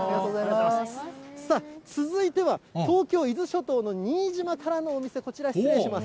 さあ、続いては、東京・伊豆諸島の新島からのお店、こちら失礼いたします。